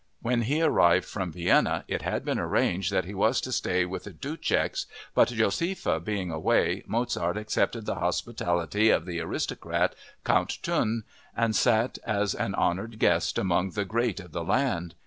When he arrived from Vienna it had been arranged that he was to stay with the Duscheks, but, Josefa being away, Mozart accepted the hospitality of the aristocrat, Count Thun, and sat as an honored guest among the great of the land.